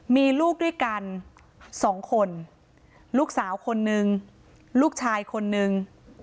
มีลูกด้วยกันสองคนลูกสาวคนนึงลูกชายคนนึง